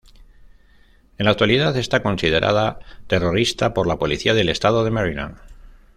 En la actualidad está considerada terrorista por la Policía del Estado de Maryland.